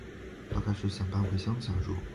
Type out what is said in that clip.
她开始想搬回乡下住